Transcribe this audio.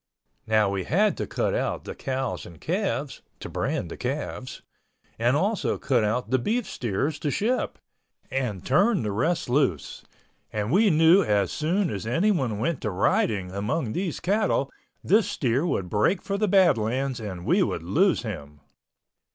Now we had to cut out the cows and calves (to brand the calves) and also cut out the beef steers to ship, and turn the rest loose, and we knew as soon as anyone went to riding among those cattle this steer would break for the Badlands and we would lose him.